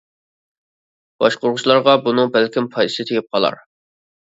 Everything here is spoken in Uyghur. باشقۇرغۇچىلارغا بۇنىڭ بەلكىم پايدىسى تېگىپ قالار.